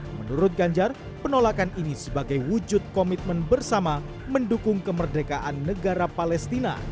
menurut ganjar penolakan ini sebagai wujud komitmen bersama mendukung kemerdekaan negara palestina